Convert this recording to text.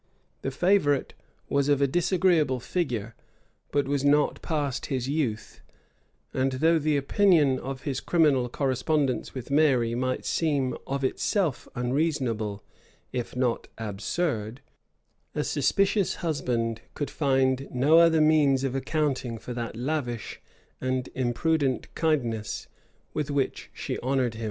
The favorite was of a disagreeable figure, but was not past his youth;[] and though the opinion of his criminal correspondence with Mary might seem of itself unreasonable, if not absurd, a suspicious husband could find no other means of accounting for that lavish and imprudent kindness with which she honored him.